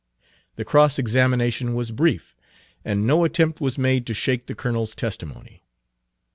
The cross examination was brief, and no attempt was made to shake the Colonel's testimony.